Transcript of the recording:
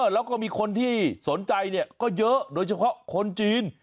แล้วก็มีคนที่สนใจก็เยอะโดยเฉพาะคนจีน